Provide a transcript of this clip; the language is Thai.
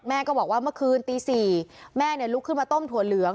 ก็บอกว่าเมื่อคืนตี๔แม่ลุกขึ้นมาต้มถั่วเหลือง